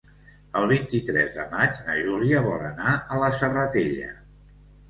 El vint-i-tres de maig na Júlia vol anar a la Serratella.